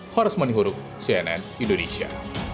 horus mani huru cnn indonesia